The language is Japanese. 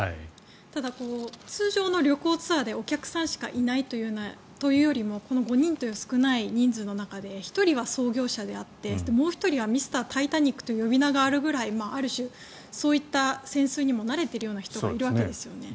ただ、通常の旅行ツアーでお客さんしかいないというよりもこの５人という少ない人数の中で１人は操縦者であってもう１人はミスター・タイタニックと呼び名があるくらいある種、そういった潜水にも慣れている人がいるわけですよね。